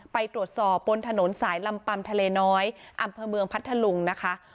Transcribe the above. ไปตรวจสอบบนถนนสายลำปัมทะเลน้อยอำเภอเมืองพัทธลุงนะคะ